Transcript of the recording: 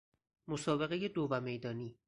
مسابقه دو و میدانی